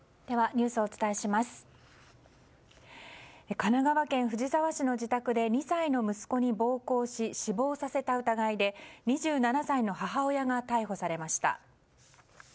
神奈川県藤沢市の自宅で２歳の息子に暴行し死亡させた疑いで２７歳の母親が逮捕されました。